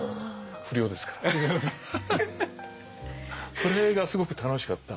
それがすごく楽しかった。